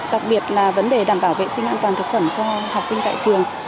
đặc biệt là vấn đề đảm bảo vệ sinh an toàn thực phẩm cho học sinh tại trường